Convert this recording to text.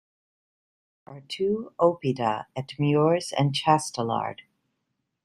The are two oppida at Mures and Chastellard.